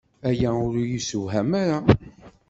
Aya ur yessewham ara.